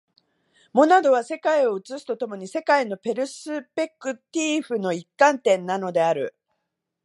モナドは世界を映すと共に、世界のペルスペクティーフの一観点なのである。